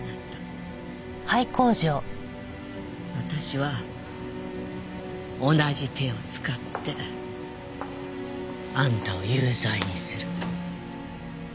私は同じ手を使ってあんたを有罪にする。